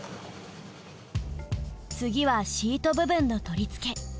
次はシート部分の取り付け。